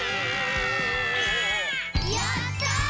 やった！